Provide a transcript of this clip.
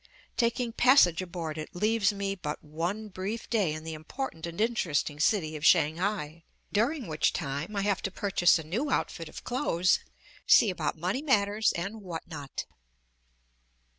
Taking passage aboard it leaves me but one brief day in the important and interesting city of Shanghai, during which time I have to purchase a new outfit of clothes, see about money matters, and what not.